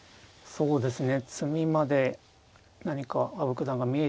そうですね。